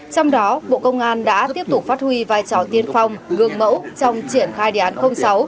trong đó bộ công an đã tiếp tục phát huy vai trò tiên phong gương mẫu trong triển khai đề án sáu